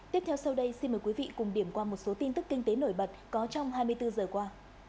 tiếp theo sau đây xin mời quý vị cùng điểm qua một số tin tức kinh tế nổi bật có trong hai mươi bốn giờ qua